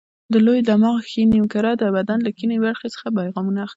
د لوی دماغ ښي نیمه کره د بدن له کیڼې برخې څخه پیغامونه اخلي.